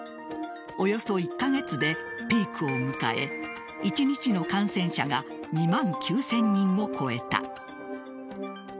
およそ１カ月でピークを迎え１日の感染者が２万９０００人を超えた。